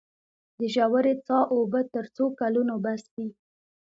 د ژورې څاه اوبه تر څو کلونو بس دي؟